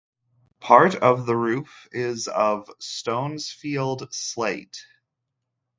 Part of the roof is of Stonesfield slate.